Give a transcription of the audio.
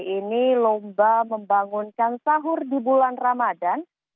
ini lomba membangunkan sahur di bulan ramadan